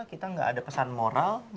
kita nggak ada pesan moral